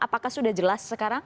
apakah sudah jelas sekarang